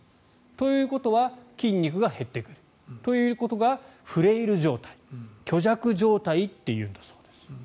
ということは筋肉が減ってくるということがフレイル状態虚弱状態というんだそうです。